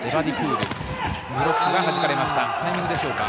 ブロックははじかれました。